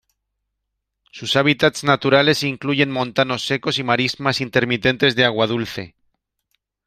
Sus hábitats naturales incluyen montanos secos y marismas intermitentes de agua dulce.